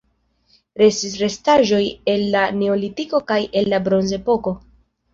Restis restaĵoj el la neolitiko kaj el la bronzepoko.